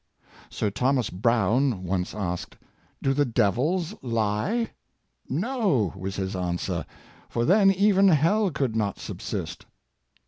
Sir Thomas Browne once asked, " Do the devils he.^" " No," was his answer; "for then even hell could not subsist."